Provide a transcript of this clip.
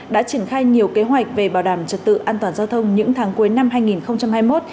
đã triển khai nhiều kế hoạch về bảo đảm trật tự an toàn giao thông những tháng cuối năm hai nghìn hai mươi một